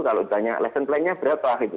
kalau ditanya lesson plan nya berapa gitu